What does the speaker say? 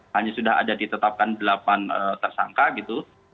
hanya sudah ada ditetapkan delapan tersangka gitu